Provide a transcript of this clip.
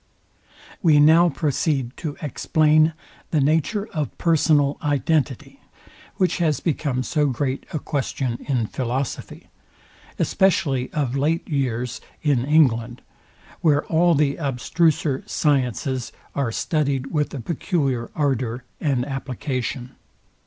We now proceed to explain the nature of personal identity, which has become so great a question ill philosophy, especially of late years in England, where all the abstruser sciences are studyed with a peculiar ardour and application.